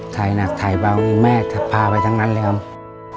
หนักถ่ายเบาแม่พาไปทั้งนั้นเลยครับ